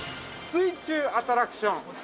◆水中アトラクション。